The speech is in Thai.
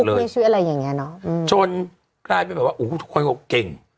ฟุกในชีวิตอะไรอย่างเงี้ยเนอะอืมจนใกล้ไปแบบว่าอู๋ทุกคนก็เก่ง